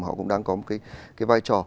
họ cũng đang có một cái vai trò